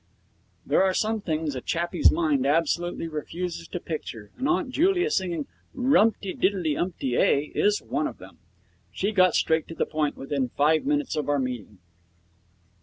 There are some things a chappie's mind absolutely refuses to picture, and Aunt Julia singing 'Rumpty tiddley umpty ay' is one of them. She got straight to the point within five minutes of our meeting.